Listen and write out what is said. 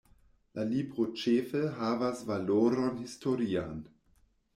La libro ĉefe havas valoron historian.